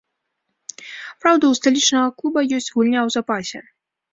Праўда, у сталічнага клуба ёсць гульня ў запасе.